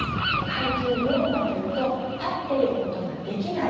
階級４はというと立っていることができない